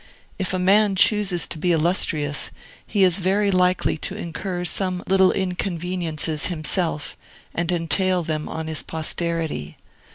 If a man chooses to be illustrious, he is very likely to incur some little inconveniences himself, and entail them on his posterity.